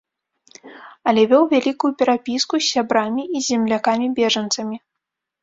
Але вёў вялікую перапіску з сябрамі і з землякамі-бежанцамі.